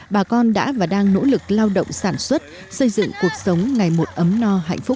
bà con đã và đang nỗ lực lao động sản xuất xây dựng cuộc sống ngày một ấm no hạnh phúc